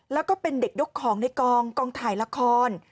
แล้วก็เป็นเด็กยกของในกองกองถ่ายละคร